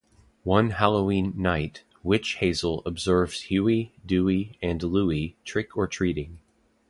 One Halloween night, Witch Hazel observes Huey, Duey, and Louie trick-or-treating.